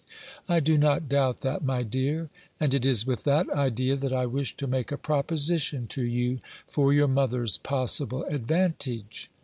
"I do not doubt that, my dear. And it is with that idea that I wish to make a proposition to you for your mother's possible advantage."